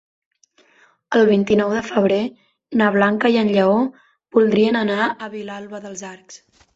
El vint-i-nou de febrer na Blanca i en Lleó voldrien anar a Vilalba dels Arcs.